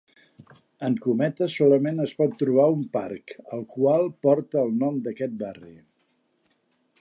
En Cometes solament es pot trobar un parc, el qual porta el nom d'aquest barri.